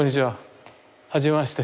はじめまして。